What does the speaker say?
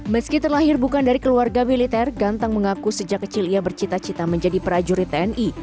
meski terlahir bukan dari keluarga militer ganteng mengaku sejak kecil ia bercita cita menjadi prajurit tni